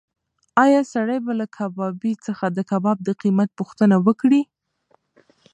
ایا سړی به له کبابي څخه د کباب د قیمت پوښتنه وکړي؟